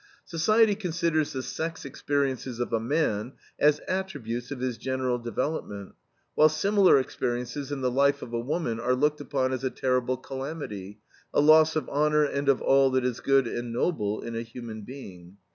Society considers the sex experiences of a man as attributes of his general development, while similar experiences in the life of a woman are looked upon as a terrible calamity, a loss of honor and of all that is good and noble in a human being.